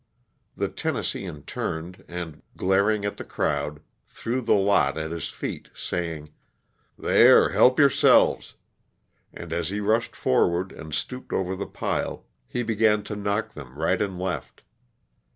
The Tennesseean turned, and, glaring at the crowd, threw the lot at his feet, saying, "There, help yourselves," and as they rushed forward and stooped over the pile he began to knock them right and left.